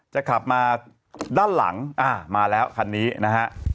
จะขับมาด้านหลังมาแล้วคันนี้นะฮะ